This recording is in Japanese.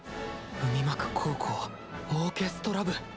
海幕高校オーケストラ部！